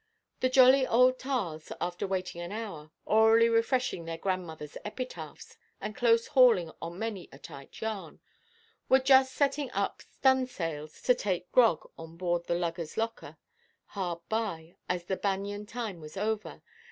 The jolly old tars, after waiting an hour, orally refreshing their grandmothers' epitaphs, and close–hauling on many a tight yarn, were just setting up stunʼsails to take grog on board at the "Luggerʼs Locker," hard by, as the banyan time was over.